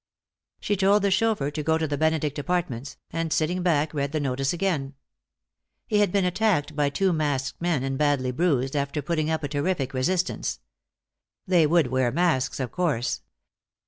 She told the chauffeur to go to the Benedict Apartments, and sitting back read the notice again. He had been attacked by two masked men and badly bruised, after putting up a terrific resistance. They would wear masks, of course.